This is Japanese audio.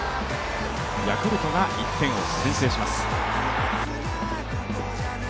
ヤクルトが１点を先制します。